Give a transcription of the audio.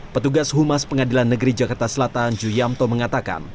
petugas humas pengadilan negeri jakarta selatan ju yamto mengatakan